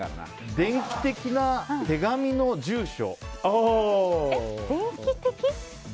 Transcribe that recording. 電気的な手紙の住所？